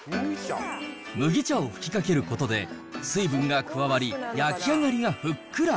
麦茶を吹きかけることで、水分が加わり、焼き上がりがふっくら。